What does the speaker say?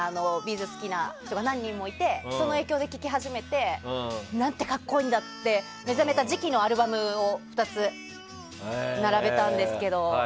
’ｚ好きな人が何人もいてその影響で聴き始めて何て格好いいんだって目覚めた時期のアルバムを２つ並べたんですけど。